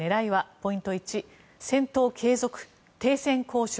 ポイント１、戦闘継続、停戦交渉